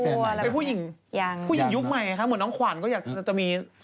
เป็นผู้หญิงยุคใหม่ไงครับเหมือนน้องขวัญก็จะมี